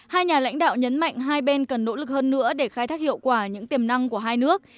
hai nhà lãnh đạo nhấn mạnh hai bên cần nỗ lực hơn nữa để khai thác hiệu quả những tiềm năng của hai nước